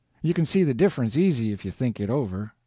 You can see the difference easy if you think it over.